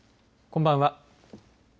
こんばんは。